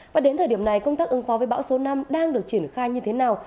và đến thời điểm này công tác ứng phó với bão số năm đang được triển khai như thế nào